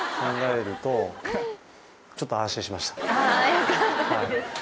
よかったです。